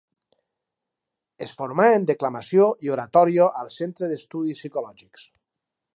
Es formà en declamació i oratòria al Centre d'Estudis Psicològics.